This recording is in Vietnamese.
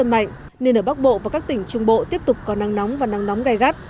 gây hiệu ứng phân mạnh nền ở bắc bộ và các tỉnh trung bộ tiếp tục có năng nóng và năng nóng gai gắt